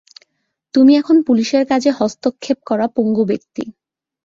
তুমি এখন পুলিশের কাজে হস্তক্ষেপ করা পঙ্গু ব্যক্তি।